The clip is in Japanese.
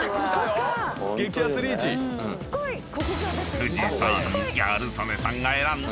［藤さんギャル曽根さんが選んだ］